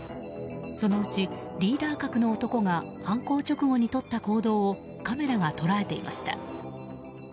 そのうちリーダー格の男が犯行直後にとった行動をカメラが捉えていました。